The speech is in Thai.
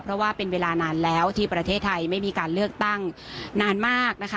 เพราะว่าเป็นเวลานานแล้วที่ประเทศไทยไม่มีการเลือกตั้งนานมากนะคะ